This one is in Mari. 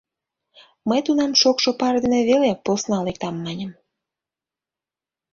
Мый тунам шокшо пар дене веле “Посна лектам” маньым.